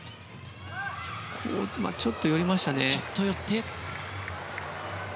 ちょっと寄りましたね。